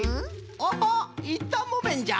アハいったんもめんじゃ！